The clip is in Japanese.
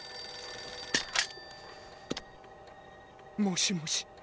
☎もしもし。